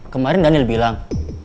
kemarin daniel bilang